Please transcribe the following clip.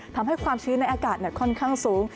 ความชื้นในอากาศค่อนข้างสูง